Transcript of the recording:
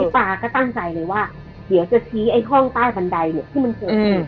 ปลาก็ตั้งใจเลยว่าเดี๋ยวจะชี้ห้องใต้บันไดที่มันเกิบอีก